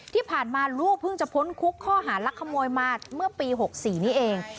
ที่ผ่านมาลูกเพิ่งจะพ้นคุกข้อหารักขโมยมาเมื่อปี๖๔นี้เอง